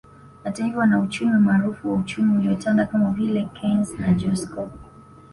Hata hivyo wanauchumi maarufu wa uchumi uliotanda kama vile Keynes na Joskow